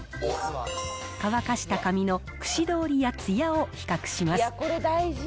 乾かした髪のくし通りやつやを比較します。